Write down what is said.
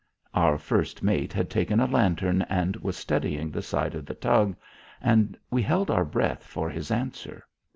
Our first mate had taken a lantern and was studying the side of the tug, and we held our breath for his answer.